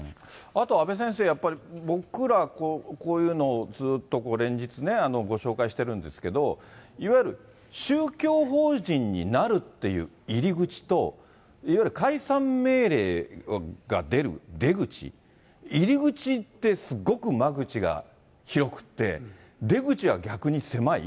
あと阿部先生、やっぱり僕ら、こういうのをずっと連日ね、ご紹介してるんですけど、いわゆる宗教法人になるっていう入り口と、いわゆる解散命令が出る出口、入り口ってすごく間口が広くて、出口は逆に狭い。